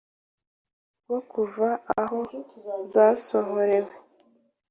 rwo kuva aho zasohorewe